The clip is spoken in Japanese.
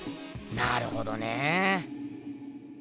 なるほどねえ。